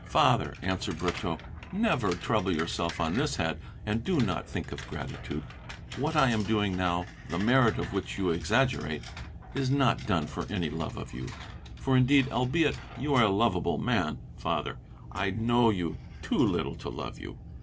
"Father," answered Brotteaux, "never trouble yourself on this head and do not think of gratitude. What I am doing now, the merit of which you exaggerate, is not done for any love of you; for indeed, albeit you are a lovable man, Father, I know you too little to love you.